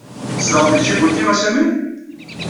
Tzedɣeḍ deg Ǧibuti a Sami?